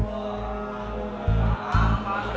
wah apa itu